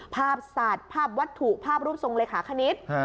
ภาพศาสตร์ภาพวัตถุภาพรูปทรงเลขาคณิต